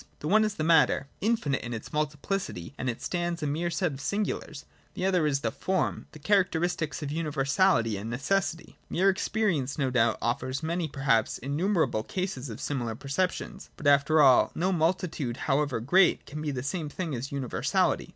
The one is the matter, infinite in its multiplicity, and as it stands a mere set of singulars : the other is the form, the characteristics of universality and necessity. Mere experience no doubt offers many, perhaps innumerable cases of similar perceptions : but, after all, no multitude, however great, can be the same thing as universality.